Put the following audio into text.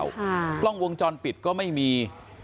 กล้องวงจรปิดก็ไม่มี